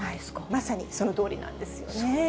まさにそのとおりなんですよね。